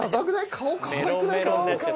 顔かわいくない？